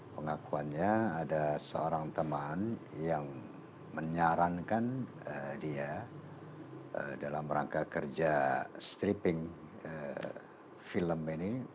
pengakuannya ada seorang teman yang menyarankan dia dalam rangka kerja stripping film ini